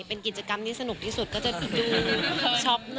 เป็นกิจกรรมที่สนุกที่สุดก็จะดูช็อกเลย